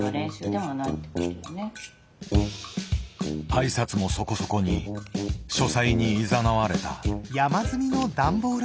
挨拶もそこそこに書斎にいざなわれた。